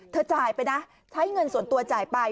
จ่ายไปนะใช้เงินส่วนตัวจ่ายไป